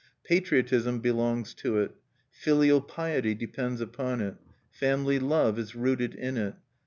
Patriotism belongs to it. Filial piety depends upon it. Family love is rooted in it.